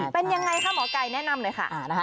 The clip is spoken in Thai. เป็นยังไงคะหมอไก่แนะนำหน่อยค่ะ